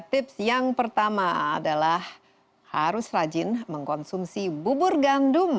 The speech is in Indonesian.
tips yang pertama adalah harus rajin mengkonsumsi bubur gandum